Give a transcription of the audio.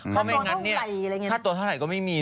เพราะไม่งั้นเนี่ยค่าตัวเท่าไหร่ก็ไม่มี